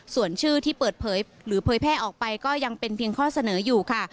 ส่วนชื่อที่เปิดเผยหรือเผยแพร่ออกไปก็ยังเป็นเพียงข้อเสนออยู่ค่ะ